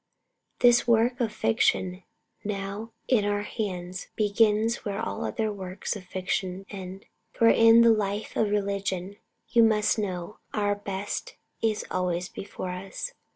This work of fiction now in our hands begins where all other works of fiction end; for in the life of religion, you must know, our best is always before us.